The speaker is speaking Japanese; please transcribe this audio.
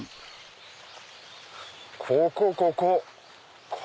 ここここ！